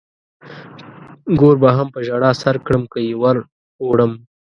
ګور به هم په ژړا سر کړم که يې ور وړم.